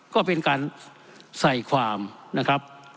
ก็เป็นการใส่ความนะครับ